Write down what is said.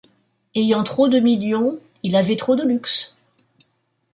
Ayant trop de millions, il avait trop de luxe.